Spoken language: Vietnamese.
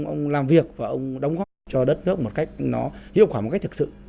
ông làm việc và ông đóng góp cho đất nước một cách nó hiệu quả một cách thực sự